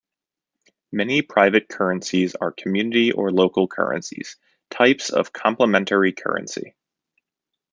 Many private currencies are community or local currencies, types of complementary currency.